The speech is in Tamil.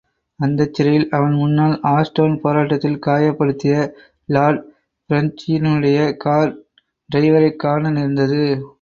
அந்தச் சிறையில் அவன் முன்னால் ஆஷ்டவுன் போராட்டத்தில் காயப்படுத்திய லார்ட் பிரெஞ்சினுடைய கார் டிரைவரைக்காண நேர்ந்தது.